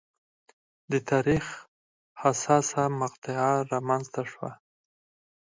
د تاریخ حساسه مقطعه رامنځته شوه.